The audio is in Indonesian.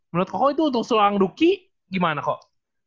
menurut koko itu untuk seorang rookie gimana kok